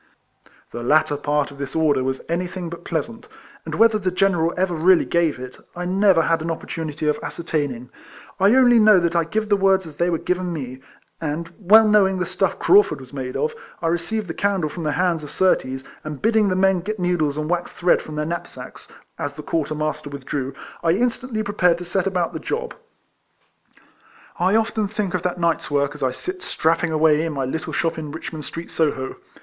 The latter part of this order was anything but pleasant ; and whether the General ever really gave it, I never had an opportunity of ascertaining. I only know that I give 158 RECOLLECTIONS OF the words as they were given me ; and, well knoAving the stuff Craufurd was made of, I received the candle from the hands of Sur tees, and bidding the men get needles and waxed thread from their knapsacks, as the quarter master withdrew, I instantly pre pared to set about the job. I often think of that night's work as I sit strapping away in my little shop in Rich mond Street, Solio.